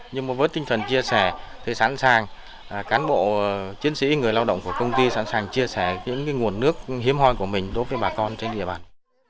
nhưng mà với tinh thần chia sẻ thì sẵn sàng cán bộ chiến sĩ người lao động của công ty sẵn sàng chia sẻ những nguồn nước hiếm hoi của mình đối với bà con trên địa bàn